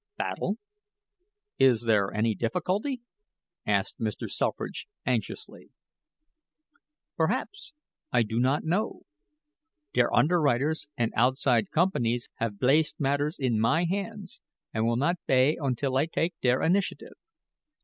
"Battle is there to be any difficulty?" asked Mr. Selfridge, anxiously. "Berhaps I do not know. Der underwriters and outside companies have blaced matters in my hands and will not bay until I take der initiative.